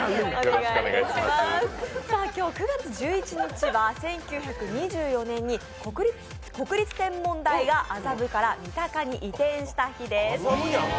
今日９月１１日は１９２４年に国立天文台が麻布から三鷹に移転した日です。